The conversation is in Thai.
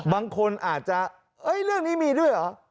บางคนอาจจะเรื่องนี้มีด้วยเหรอ